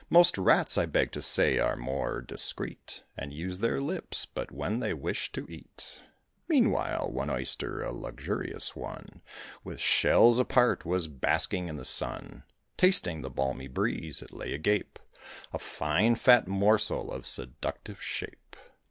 Most rats, I beg to say, are more discreet, And use their lips but when they wish to eat. Meanwhile, one Oyster a luxurious one With shells apart, was basking in the sun. Tasting the balmy breeze, it lay agape, A fine fat morsel of seductive shape.